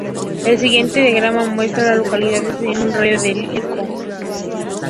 El siguiente diagrama muestra a las localidades en un radio de de Elko.